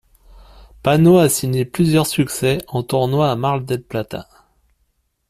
Panno a signé plusieurs succès en tournoi à Mar del Plata.